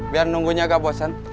biar nunggunya gak bosan